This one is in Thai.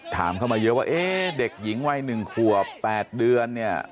ถามเข้ามาเยอะว่าเด็กหญิงไว้๑ขัว๘เดือน